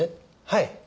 はい。